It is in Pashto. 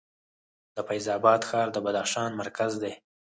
د فیض اباد ښار د بدخشان مرکز دی